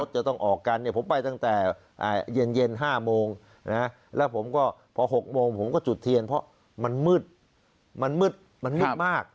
จะต้องออกกันเนี่ยผมไปตั้งแต่เย็น๕โมงแล้วผมก็พอ๖โมงผมก็จุดเทียนเพราะมันมืดมันมืดมันมืดมาก